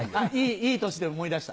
「いい年」で思い出した。